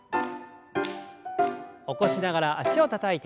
起こしながら脚をたたいて。